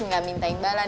gak minta imbalan